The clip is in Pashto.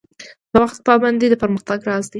د وخت پابندي د پرمختګ راز دی